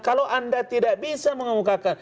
kalau anda tidak bisa mengemukakan